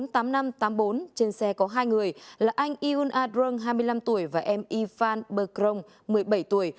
trên xe có hai người là anh iun a drong hai mươi năm tuổi và em yifan bờ krong một mươi bảy tuổi